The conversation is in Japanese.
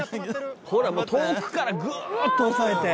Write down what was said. ほら遠くからぐっと押さえて。